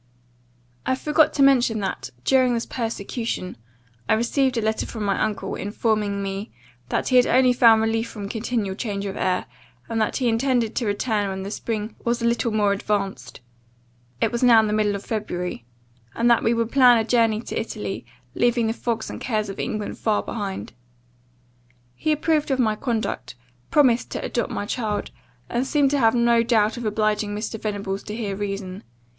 "I forgot to mention that, during this persecution, I received a letter from my uncle, informing me, 'that he only found relief from continual change of air; and that he intended to return when the spring was a little more advanced (it was now the middle of February), and then we would plan a journey to Italy, leaving the fogs and cares of England far behind.' He approved of my conduct, promised to adopt my child, and seemed to have no doubt of obliging Mr. Venables to hear reason.